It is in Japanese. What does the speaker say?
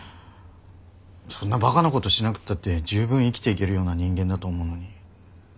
そんなバカなことしなくったって十分生きていけるような人間だと思うのに。